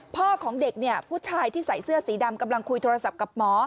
พ่อของเด็กเนี่ยผู้ชายที่ใส่เสื้อสีดำกำลังคุยโทรศัพท์กับหมอ